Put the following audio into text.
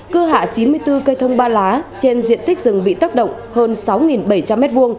cưa hạ chín mươi bốn cây thông ba lá trên diện tích rừng bị tác động hơn sáu bảy trăm linh m hai